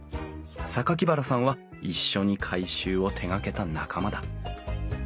榊原さんは一緒に改修を手がけた仲間だ。